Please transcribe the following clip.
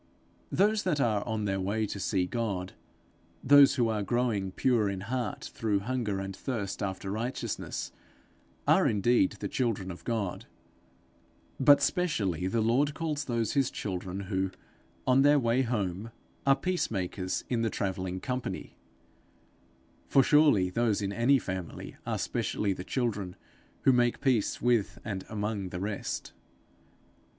Those that are on their way to see God, those who are growing pure in heart through hunger and thirst after righteousness, are indeed the children of God; but specially the Lord calls those his children who, on their way home, are peace makers in the travelling company; for, surely, those in any family are specially the children, who make peace with and among the rest.